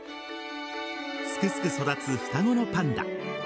すくすく育つ双子のパンダ。